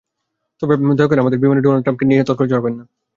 তবে দয়া করে আমার বিমানে ডোনাল্ড ট্রাম্প নিয়ে তর্কে জড়াবেন না।